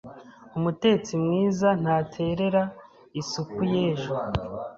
Umutetsi mwiza ntaterera isupu y'ejo.